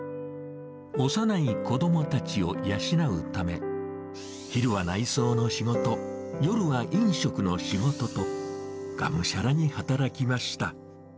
幼い子どもたちを養うため、昼は内装の仕事、夜は飲食の仕事と、がむしゃらに働きました。